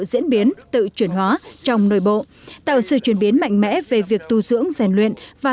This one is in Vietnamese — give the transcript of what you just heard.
diễn biến tự chuyển hóa trong nội bộ tạo sự chuyển biến mạnh mẽ về việc tu dưỡng rèn luyện và